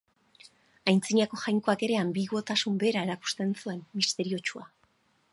Aintzinako jainkoak ere anbiguotasun bera erakusten zuen, misteriotsua.